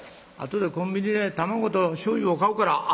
後でコンビニで卵としょうゆを買うから」。